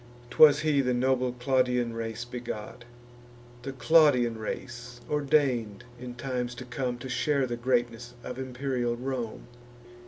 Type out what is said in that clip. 'Twas he, the noble Claudian race begot, The Claudian race, ordain'd, in times to come, To share the greatness of imperial Rome.